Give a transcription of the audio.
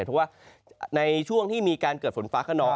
เพราะว่าในช่วงที่มีการเกิดฝนฟ้าขนอง